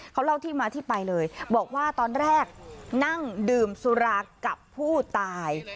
เขาเล่าที่มาที่ไปเลยบอกว่าตอนแรกนั่งดื่มสุรากับผู้ตาย